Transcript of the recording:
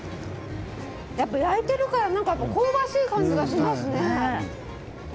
焼いているから香ばしい感じがしますね。